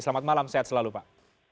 selamat malam sehat selalu pak